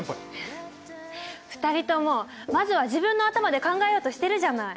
２人ともまずは自分の頭で考えようとしてるじゃない。